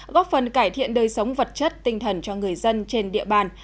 góp phần cải thiện đời sống vật chất tinh thần cho người dân trên địa bàn